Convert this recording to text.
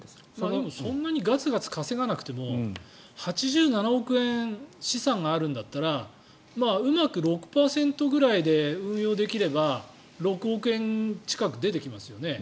でもそんなにがつがつ稼がなくても８７億円資産があるんだったらうまく６％ぐらいで運用できれば６億円近く出てきますよね。